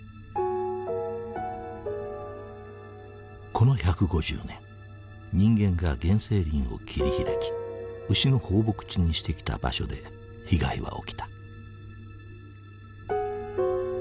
この１５０年人間が原生林を切り開き牛の放牧地にしてきた場所で被害は起きた。